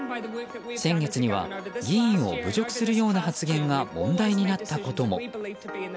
先月には議員を侮辱するような発言が問題になったことも。